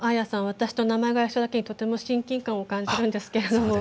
私と名前が一緒なだけにとても親近感を感じるんですが。